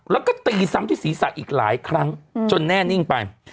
แล้วก็ตีซ้ำที่ศีรษะอีกหลายครั้งจนแน่นิ่งไป